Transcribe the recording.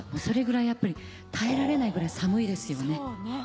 それぐらいやっぱり耐えられないぐらい寒いですよね。